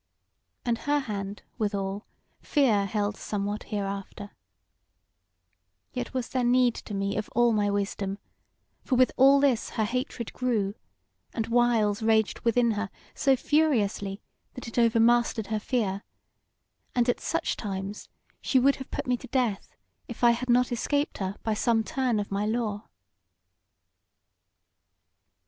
And her hand, withal, fear held somewhat hereafter. Yet was there need to me of all my wisdom; for with all this her hatred grew, and whiles raged within her so furiously that it overmastered her fear, and at such times she would have put me to death if I had not escaped her by some turn of my lore."